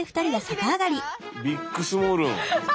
ビックスモールン。